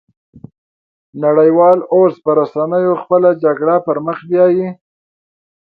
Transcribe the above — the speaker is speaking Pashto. نړۍ وال اوس په رسنيو خپله جګړه پرمخ بيايي